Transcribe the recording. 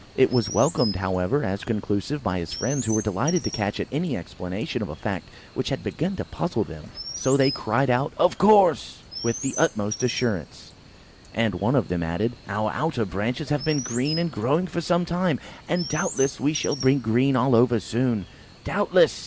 It was welcomed, however, as conclusive by his friends, who were delighted to catch at any explanation of a fact which had begun to puzzle them. So they cried out, "Of course!" with the utmost assurance, and one of them added, "Our outer branches have been green and growing for some time, and doubtless we shall be green all over soon!" "Doubtless!"